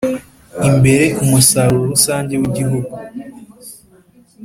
imbere umusaruro rusange w’igihugu